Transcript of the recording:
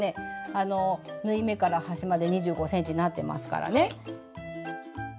縫い目から端まで２５ｃｍなってますからね。